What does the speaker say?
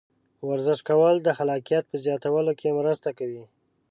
ورزش کول د خلاقیت په زیاتولو کې مرسته کوي.